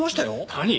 何？